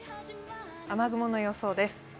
雨雲の予想です。